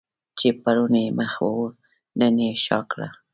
چې پرون یې مخ وو نن یې شا کړه.